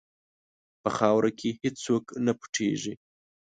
په خاوره کې هېڅ څوک نه پټیږي.